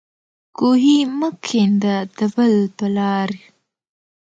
کوهی مه کنده د بل په لار.